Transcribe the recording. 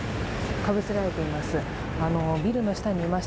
かぶせられています。